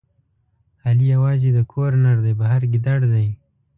علي یوازې د کور نردی، بهر ګیدړ دی.